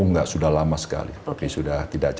tidak sudah lama sekali